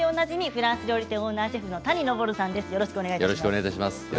フランス料理店オーナーシェフの谷昇さんです。